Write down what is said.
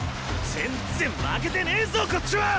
全っ然負けてねェぞこっちはァ！